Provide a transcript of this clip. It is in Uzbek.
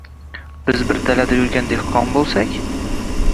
— Biz bir dalada yurgan dehqon bo‘lsak?